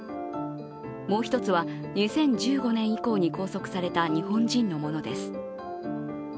もう一つは、２０１５年以降に拘束された日本人のものです。